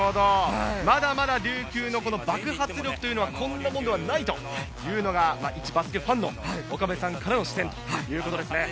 まだまだ琉球の爆発力はこんなもんじゃないというのが、いちバスケファンの岡部さんからの視点ということですね。